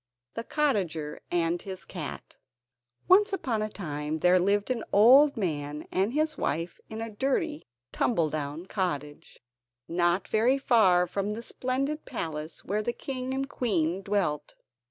The Cottager And His Cat Once upon a time there lived an old man and his wife in a dirty, tumble down cottage, not very far from the splendid palace where the king and queen dwelt.